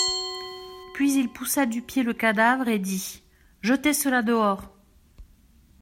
Puis il poussa du pied le cadavre et dit : Jetez cela dehors.